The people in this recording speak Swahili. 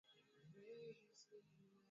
Chemsha kwa dakika arobaini tu viazi vyako